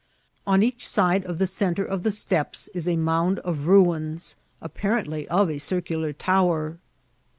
On each side of the centre of the steps is a mound of ruins, apparently of a circular tower.